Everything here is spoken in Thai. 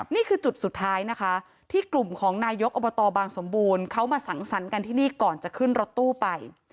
นี่คือจุดสุดท้ายนะคะที่กลุ่มของนายกอบตบางสมบูรณ์เขามาสังสรรค์กันที่นี่ก่อนจะขึ้นรถตู้ไป